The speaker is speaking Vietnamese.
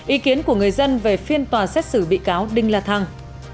ý kiến của người dân về phiên tòa xét xử bị cáo đinh la thăng